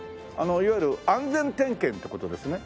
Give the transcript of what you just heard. いわゆる安全点検って事ですね？